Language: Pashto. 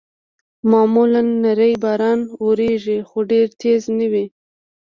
معمولاً نری باران اورېږي، خو ډېر تېز نه وي.